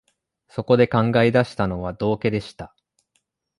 そこで考え出したのは、道化でした